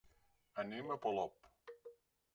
Anem a Polop.